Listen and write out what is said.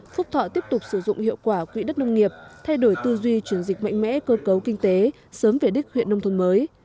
phúc thọ tiếp tục sử dụng hiệu quả quỹ đất nông nghiệp thay đổi tư duy chuyển dịch mạnh mẽ cơ cấu kinh tế sớm về đích huyện nông thôn mới